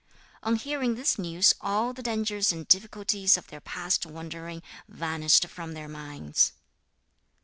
On hearing this news all the dangers and difficulties of their past wandering vanished from their minds.